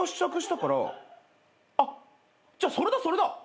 あっじゃあそれだそれだ！